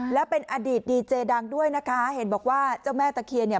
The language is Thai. และเป็นอดีตดีเจดังด้วยนะคะเห็นบอกว่าเจ้าแม่ตะเคียนเนี่ย